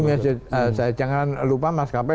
satu lagi jangan lupa mas kp